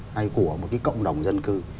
hay của một cái cộng đồng dân cư